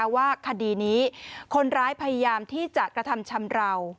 ว่าคดีนี้คนร้ายพยายามที่จะกระทำชำราว